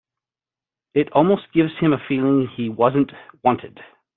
It almost gives him a feeling he wasn't wanted.